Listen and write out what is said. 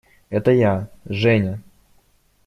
Это я – Женя!